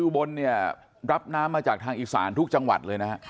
อู่บนเนี่ยรับน้ำมาจากทางอิกษานทุกจังหวัดเลยนะค่ะ